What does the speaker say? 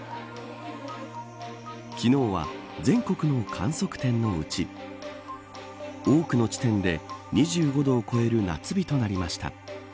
昨日は全国の観測点のうち多くの地点で２５度を超える夏日となりました。